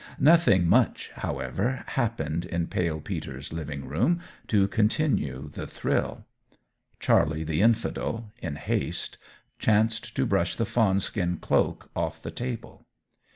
Nothing much, however, happened in Pale Peter's living room to continue the thrill. Charlie the Infidel, in haste, chanced to brush the fawn skin cloak off the table.